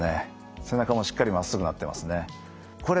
背中もしっかりまっすぐなってますね。